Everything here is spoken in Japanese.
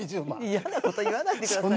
嫌なこと言わないでくださいよ。